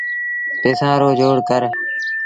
پئيٚسآݩ رو جوڙ ڪر۔